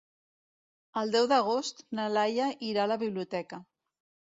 El deu d'agost na Laia irà a la biblioteca.